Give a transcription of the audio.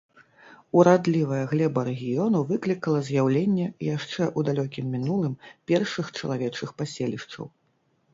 Урадлівая глеба рэгіёну выклікала з'яўленне, яшчэ ў далёкім мінулым, першых чалавечых паселішчаў.